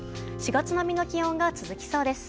４月並みの気温が続きそうです。